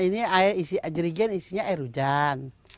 ini air isi agrigen isinya air hujan